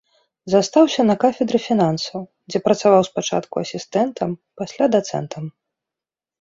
Застаўся на кафедры фінансаў, дзе працаваў спачатку асістэнтам, пасля дацэнтам.